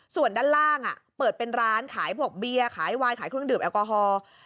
ส่วนด้านล่างเปิดเป็นร้านขายพวกเบียร์ขายวายขายเครื่องดื่มแอลกอฮอล์